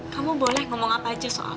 kamu boleh ngomong apa aja soal